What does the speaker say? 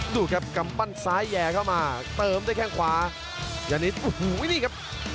ดูครับกำปั้นซ้ายแย่เข้ามาเติมด้วยแข้งขวายานิดโอ้โหนี่ครับ